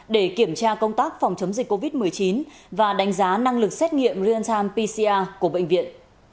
để kiểm tra công tác phòng chống dịch covid một mươi chín và đánh giá năng lực xét nghiệm real time pcr của bệnh viện